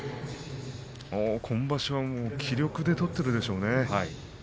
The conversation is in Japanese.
今場所はもう気力で取っているでしょうね。